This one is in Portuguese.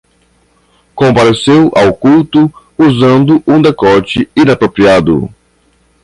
Compareceu ao culto usando um decote inapropriado